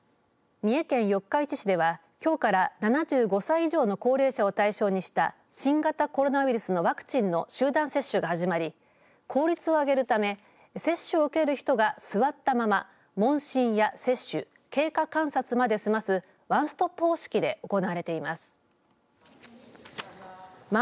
三重県四日市市では、きょうから７５歳以上の高齢者を対象にした新型コロナウイルスのワクチンの集団接種が始まり効率を上げるため接種を受ける人が座ったまま問診や接種経過観察まで済ますワンストップ方式で行われています。